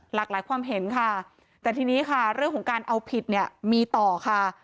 หลากหลายความเห็นค่ะแต่ทีนี้ค่ะเรื่องของการเอาผิดเนี่ยมีต่อค่ะ